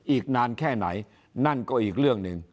อีกนานแค่ไหนนั่นก็อีกเรื่องหนึ่ง